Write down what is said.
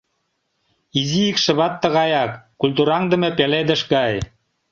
Изи икшыват тыгаяк, культураҥдыме пеледыш гай...